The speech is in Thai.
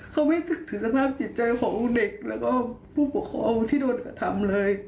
เขาไม่ถึงสภาพจิตใจของเด็กแล้วก็ผู้ปกครองที่โดนกระทำเลย